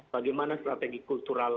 bagaimana strategi kultural